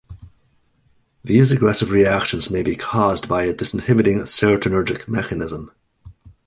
These aggressive reactions may be caused by a disinhibiting serotonergic mechanism.